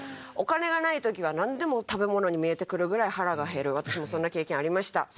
お金がない時はなんでも食べ物に見えてくるぐらい腹が減る私もそんな経験ありました。